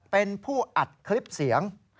เป็นผู้อัดคลิปเสียง